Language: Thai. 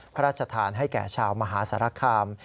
พระราชทานให้แก่ชาวมหาสารคาม